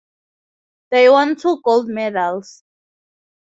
They won two gold medals.